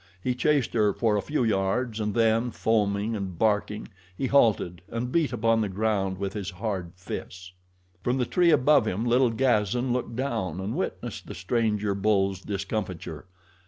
He chased her for a few yards and then, foaming and barking, he halted and beat upon the ground with his hard fists. From the tree above him little Gazan looked down and witnessed the stranger bull's discomfiture.